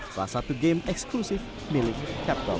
salah satu game eksklusif milik captom